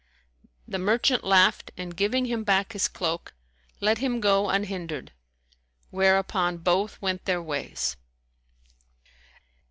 The merchant laughed and, giving him back his cloak, let him go unhindered; whereupon both went their ways.